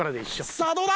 さあどうだ？